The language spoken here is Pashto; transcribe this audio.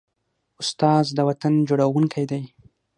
استاد د وطن جوړوونکی دی.